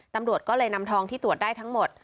ตำรวจก็เลยนำทองที่ตรวจได้ทั้งหมด